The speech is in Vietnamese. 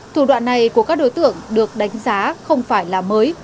thủ đoạn này của các đối tượng được đánh giá không phải là mới